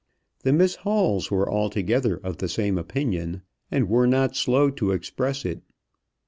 The Miss Halls were altogether of the same opinion, and were not slow to express it.